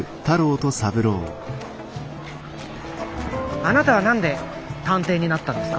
あなたは何で探偵になったんですか？